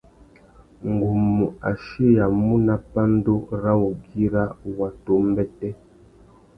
Ngu mú achiyamú nà pandú râ wugüira watu umbêtê.